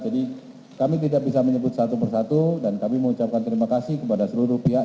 jadi kami tidak bisa menyebut satu persatu dan kami mengucapkan terima kasih kepada seluruh pihak